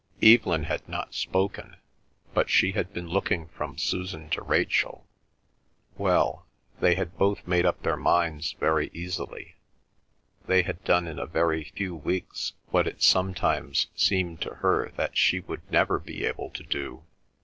Evelyn had not spoken, but she had been looking from Susan to Rachel. Well—they had both made up their minds very easily, they had done in a very few weeks what it sometimes seemed to her that she would never be able to do.